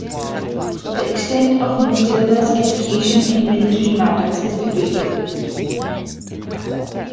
The extent of Matilda's education in military matters is debated.